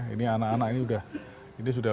ini anak anak ini sudah